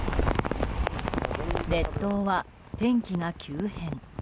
列島は天気が急変。